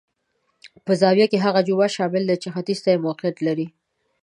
په زاویه کې هغه جومات شامل دی چې ختیځ ته موقعیت لري.